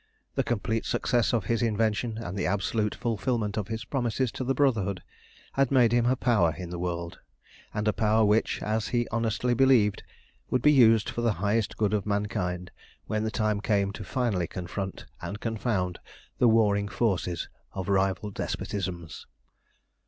The complete success of his invention, and the absolute fulfilment of his promises to the Brotherhood, had made him a power in the world, and a power which, as he honestly believed, would be used for the highest good of mankind when the time came to finally confront and confound the warring forces of rival despotisms.